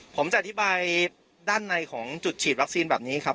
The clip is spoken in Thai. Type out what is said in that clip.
ผมจะอธิบายด้านในของจุดฉีดวัคซีนแบบนี้ครับ